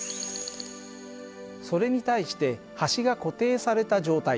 それに対して端が固定された状態